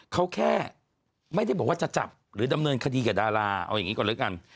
เขาแค่ไม่ได้บอกว่าจะจับหรือดำเนินคดีกับดาราเอาอย่างนี้ก่อนแล้วกัน